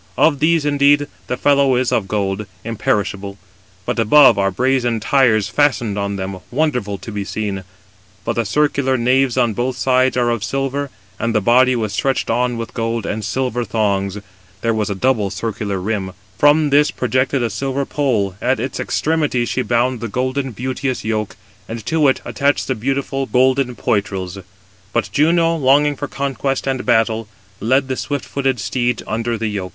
Of these, indeed, the felloe is of gold, imperishable: but above [are] brazen tires fastened on them, wonderful to be seen; but the circular naves on both sides are of silver; and the body 227 was stretched on with gold and silver thongs (there was a double circular rim); from this projected a silver pole; at its extremity she bound the golden, beauteous yoke, and to it attached the beautiful golden poitrels. But Juno, longing for conquest and battle, led the swift footed steeds under the yoke.